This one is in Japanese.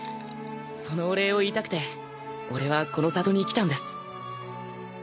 そのお礼を言いたくて俺はこの里に来たんです。